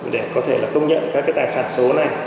để có thể công nhận các tài sản số này